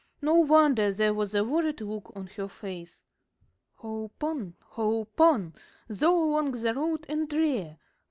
No wonder there was a worried look on her face. "Hope on! hope on! Though long the road and drear.